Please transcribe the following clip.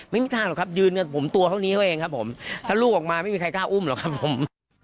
ไม่มีทางหรอกครับยืนกันผมตัวเท่านี้เขาเองครับผมถ้าลูกออกมาไม่มีใครกล้าอุ้มหรอกครับผม